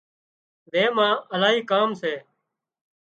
زين مان الاهي ڪام سي